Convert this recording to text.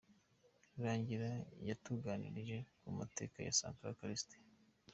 Rangira yatuganirije ku mateka ya Sankara Callixte